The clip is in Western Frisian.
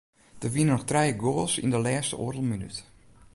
Der wiene noch trije goals yn de lêste oardel minút.